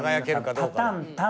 「タタンタン」